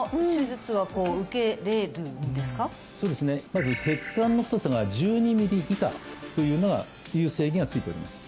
まず血管の太さが１２ミリ以下という制限がついております